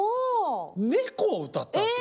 「猫」を歌ったわけ。